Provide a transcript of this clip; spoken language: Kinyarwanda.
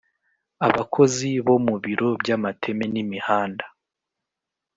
abakozi bo mubiro byamateme n’imihanda